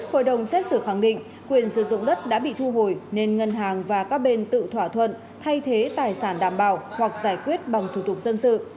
hội đồng xét xử khẳng định quyền sử dụng đất đã bị thu hồi nên ngân hàng và các bên tự thỏa thuận thay thế tài sản đảm bảo hoặc giải quyết bằng thủ tục dân sự